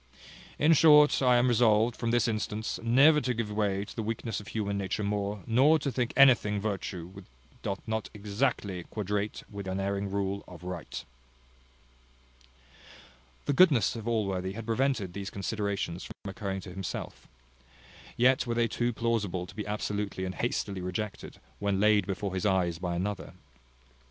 In short I am resolved, from this instance, never to give way to the weakness of human nature more, nor to think anything virtue which doth not exactly quadrate with the unerring rule of right." The goodness of Allworthy had prevented those considerations from occurring to himself; yet were they too plausible to be absolutely and hastily rejected, when laid before his eyes by another.